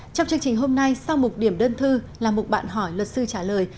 trong chương trình hôm nay sau một điểm đơn thư là một bạn hỏi luật sư trả lời